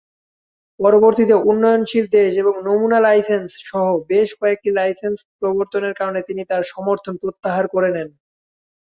পরবর্তীতে উন্নয়নশীল দেশ এবং নমুনা লাইসেন্স সহ বেশ কয়েকটি লাইসেন্স প্রবর্তনের কারণে তিনি তার সমর্থন প্রত্যাহার করে নেন।